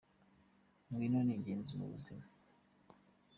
Kwiga n'ingenzi mubuzima.